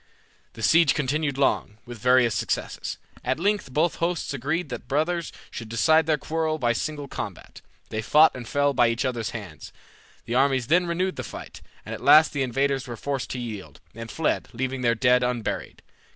The siege continued long, with various success. At length both hosts agreed that the brothers should decide their quarrel by single combat. They fought and fell by each other's hands. The armies then renewed the fight, and at last the invaders were forced to yield, and fled, leaving their dead unburied.